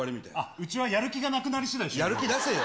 うちはやる気がなくなりしだやる気出せよ。